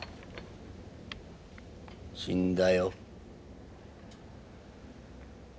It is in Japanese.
死んだよ。